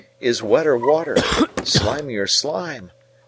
18Is wetter water, slimier slime!